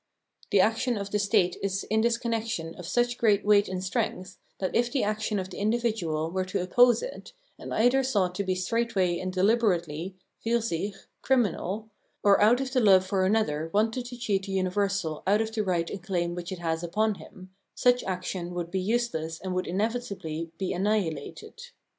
The action of the state is in this connection of such great weight and strength, that if the action of the individual were to oppose it, and either sought to be straightway and deliberately {fur sich) criminal, or out of love for another wanted to cheat the universal out of the right 416 Phenomenology of Mind and claim which it has upon him, such action would be useless and would inevitably be annihilated.